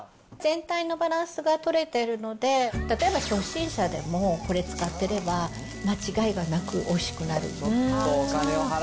全体のバランスが取れてるので、例えば、初心者でも、これ使ってれば、間違いがなくおいしくなる。